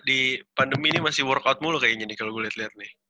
di pandemi ini masih workout mulu kayak gini kalo gue liat liat nih